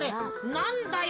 なんだよ。